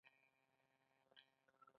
دا وضعیت د اپارټایډ په عنوان توصیف کیږي.